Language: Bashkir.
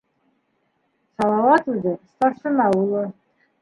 Салауат үҙе - старшина улы.